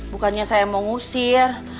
bukannya saya mau ngusir